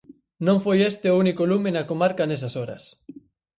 Non foi este o único lume na comarca nesas horas.